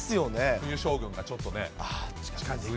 冬将軍がちょっとね。